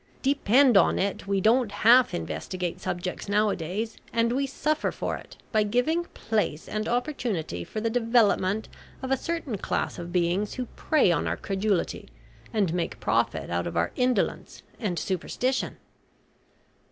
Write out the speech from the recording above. Depend on it we don't half investigate subjects now a days, and we suffer for it by giving place and opportunity for the development of a certain class of beings who prey on our credulity, and make profit out of our indolence and superstition."